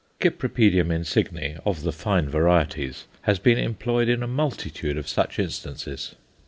Cypripedium insigne, of the fine varieties, has been employed in a multitude of such instances.